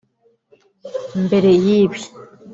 Mbere y’ibi